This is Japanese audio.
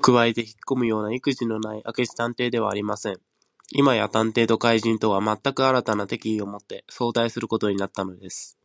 指をくわえてひっこむようないくじのない明智探偵ではありません。今や探偵と怪人とは、まったく新たな敵意をもって相対することになったのです。